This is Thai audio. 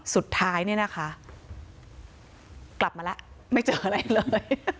สุดท้ายเนี่ยนะคะกลับมาแล้วไม่เจออะไรเลย